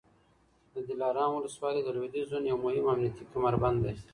د دلارام ولسوالي د لوېدیځ زون یو مهم امنیتي کمربند دی